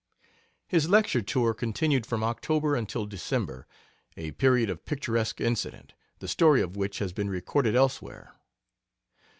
His lecture tour continued from October until December, a period of picturesque incident, the story of which has been recorded elsewhere.